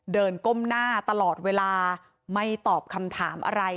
ก้มหน้าตลอดเวลาไม่ตอบคำถามอะไร